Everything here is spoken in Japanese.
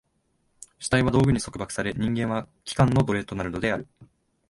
主体は道具に束縛され、人間は器官の奴隷となるのである。